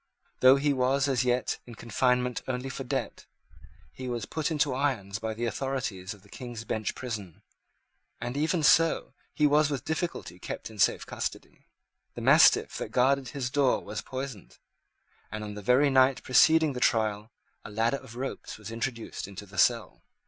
Though he was as yet in confinement only for debt, he was put into irons by the authorities of the King's Bench prison; and even so he was with difficulty kept in safe custody. The mastiff that guarded his door was poisoned; and, on the very night preceding the trial, a ladder of ropes was introduced into the cell.